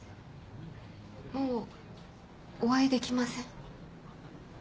もうお会いできません。